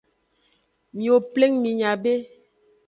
Miwo pleng minya be.